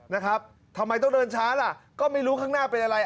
นะครับทำไมต้องเดินช้าล่ะก็ไม่รู้ข้างหน้าเป็นอะไร